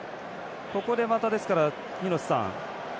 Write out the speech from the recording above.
ここで、また廣瀬さん